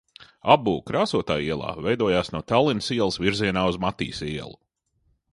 Apbūve Krāsotāju ielā veidojās no Tallinas ielas virzienā uz Matīsa ielu.